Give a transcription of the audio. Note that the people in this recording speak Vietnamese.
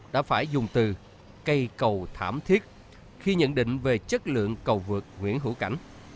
đã phải dùng từ cây cầu thảm thiết khi nhận định về chất lượng cầu vượt nguyễn hữu cảnh